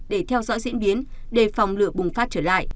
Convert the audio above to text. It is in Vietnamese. để theo dõi diễn biến đề phòng lửa bùng phát trở lại